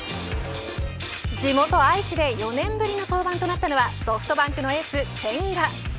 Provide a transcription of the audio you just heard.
地元愛知で４年ぶりの登板となったのはソフトバンクのエース千賀。